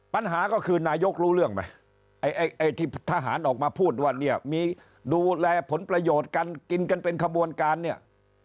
ปัญหาก็คือนายกรู้เรื่องไหมไอ้ที่ทหารออกมาพูดว่าเนี่ยมีดูแลผลประโยชน์กันกินกันเป็นขบวนการเนี่ย